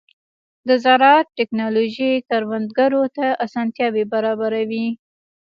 د زراعت ټیکنالوژي کروندګرو ته اسانتیاوې برابروي.